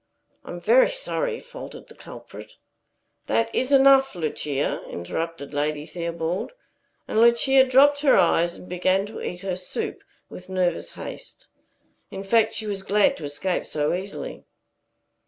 "I am very sorry," faltered the culprit. "That is enough, Lucia," interrupted Lady Theobald; and Lucia dropped her eyes, and began to eat her soup with nervous haste. In fact, she was glad to escape so easily.